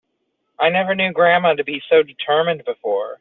I never knew grandma to be so determined before.